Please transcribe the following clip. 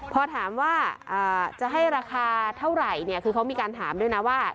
พอถามว่าจะให้ราคาเท่าไหร่เนี่ยคือเขามีการถามด้วยนะว่า